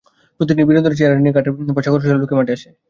প্রতিদিনই বিনোদনের চাহিদা নিয়ে গাঁটের পয়সা খরচ করে লোকে মাঠে আসে।